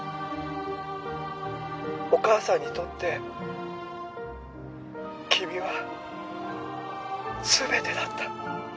お母さんにとって君はすべてだった。